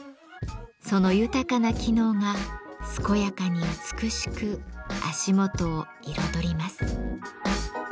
その豊かな機能が健やかに美しく足元を彩ります。